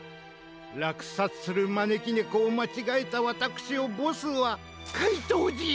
らくさつするまねきねこをまちがえたわたくしをボスはかいとうＧはゆるさないでしょう。